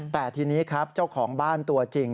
แต่ทีนี้ครับเจ้าของบ้านตัวจริง